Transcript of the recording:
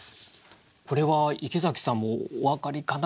これは池崎さんもお分かりかな？